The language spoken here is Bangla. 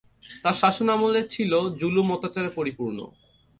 তার শাসন আমল ছিল জুলুম-অত্যাচারে পরিপূর্ণ।